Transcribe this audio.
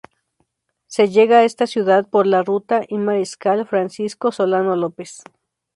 Se llega a esta ciudad por la ruta I Mariscal Francisco Solano López.